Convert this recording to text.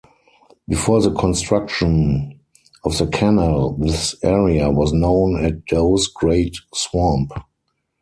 Before the construction of the Canal, this area was known as Dow's Great Swamp.